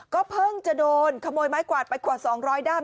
ก็เพิ่งจะโดนขโมยไม้กวาดไปกว่า๒๐๐ด้าม